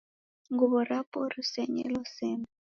Nguw'o rapo risenyelo sena.